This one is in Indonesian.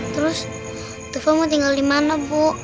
terus tufo mau tinggal dimana bu